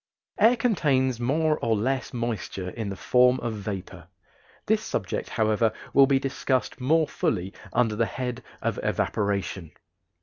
Air contains more or less moisture in the form of vapor; this subject, however, will be discussed more fully under the head of evaporation.